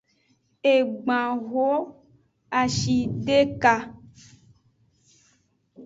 Egban hoashideka.